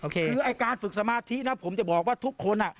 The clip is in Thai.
คือไอ้การฝึกสมาธินะผมจะบอกว่าทุกคน